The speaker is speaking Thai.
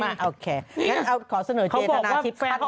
มาโอเคขอเสนอเจธนาคิดของคุณค่ะเขาบอกว่า